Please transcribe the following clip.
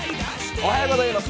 おはようございます。